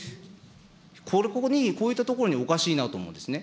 ここに、こういったところにおかしいなと思うんですね。